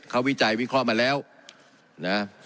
เขาวิจัยวิเคราะห์มาแล้วนะ